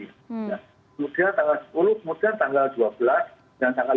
kemudian tanggal sepuluh kemudian tanggal dua belas dan tanggal dua puluh